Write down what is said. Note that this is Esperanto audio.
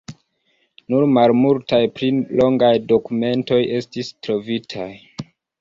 Nur malmultaj pli longaj dokumentoj estis trovitaj.